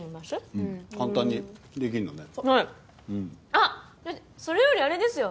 あっそれよりあれですよ。